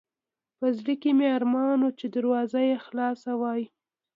په زړه کې مې ارمان و چې دروازه یې خلاصه وای.